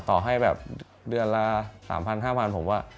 ต่อให้แบบเดือนละ๓๐๐๕๐๐ผมว่า